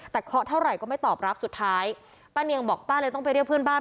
แต่เคาะเท่าไหร่ก็ไม่ตอบรับสุดท้ายป้าเนียงบอกป้าเลยต้องไปเรียกเพื่อนบ้าน